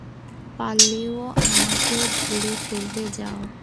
পালালেও আমাকে ধরে ফেলবে, যাও।